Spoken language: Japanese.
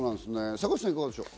坂口さん、いかがでしょう。